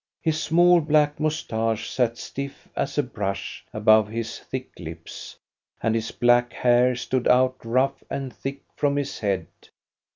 His small black moustache sat stiff as a brush above his thick lips, and his black hair stood out rough and thick from his head.